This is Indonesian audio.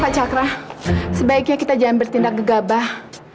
pak cakra sebaiknya kita jangan bertindak gegabah